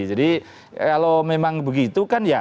jadi kalau memang begitu kan ya